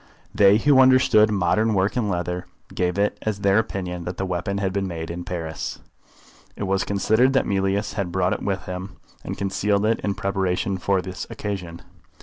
They who understood modern work in leather gave it as their opinion that the weapon had been made in Paris. It was considered that Mealyus had brought it with him, and concealed it in preparation for this occasion.